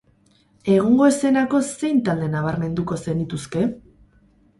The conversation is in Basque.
Egungo eszenako zein talde nabarmenduko zenituzke?